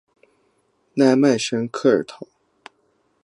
奈迈什科尔陶。